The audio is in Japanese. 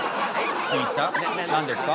しんいちさん何ですか？